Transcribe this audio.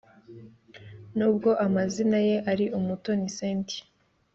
Nubwo amazina ye ari Umutoni Cynthia